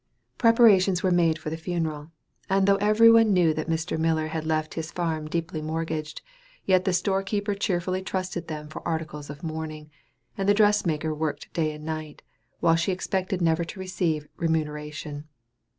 Preparations were made for the funeral; and though every one knew that Mr. Miller had left his farm deeply mortgaged, yet the store keeper cheerfully trusted them for articles of mourning, and the dress maker worked day and night, while she expected never to receive a remuneration.